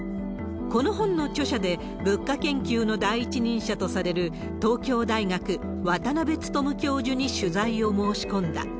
この本の著者で、物価研究の第一人者とされる、東京大学、渡辺努教授に取材を申し込んだ。